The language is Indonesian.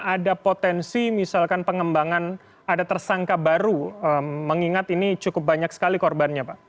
ada potensi misalkan pengembangan ada tersangka baru mengingat ini cukup banyak sekali korbannya pak